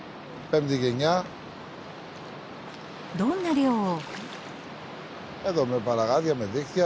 どんな漁を？